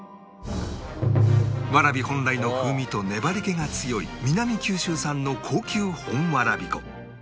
わらび本来の風味と粘り気が強い南九州産の高級本わらび粉